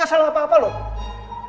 gak salah apa apa loh